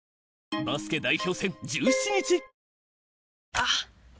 あっ！